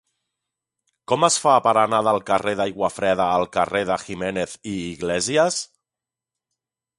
Com es fa per anar del carrer d'Aiguafreda al carrer de Jiménez i Iglesias?